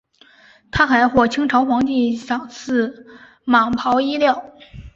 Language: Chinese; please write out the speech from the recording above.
他还获清朝皇帝赏赐蟒袍衣料。